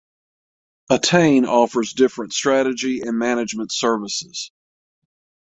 Attain offers different strategy and management services.